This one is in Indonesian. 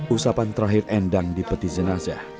usapan terakhir endang di peti jenazah